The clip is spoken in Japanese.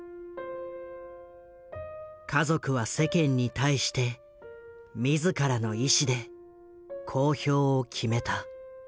家族は世間に対して自らの意思で公表を決めた。